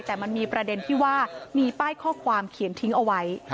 แต่มันมีประเด็นที่ว่ามีป้ายข้อความเขียนทิ้งเอาไว้